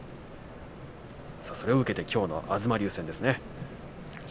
それを受けてきょうの東龍戦ですね。